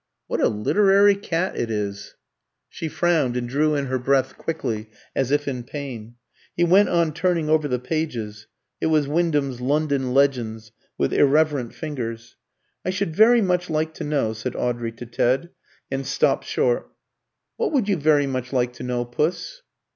"What a literary cat it is!" She frowned and drew in her breath quickly, as if in pain. He went on turning over the pages it was Wyndham's "London Legends" with irreverent fingers. "I should very much like to know " said Audrey to Ted, and stopped short. "What would you very much like to know, Puss?"